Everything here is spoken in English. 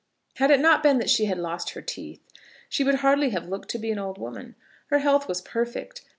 Had it not been that she had lost her teeth, she would hardly have looked to be an old woman. Her health was perfect.